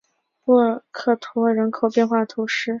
布克托人口变化图示